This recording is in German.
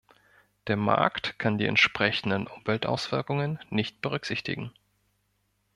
Der Markt kann die entsprechenden Umweltauswirkungen nicht berücksichtigen.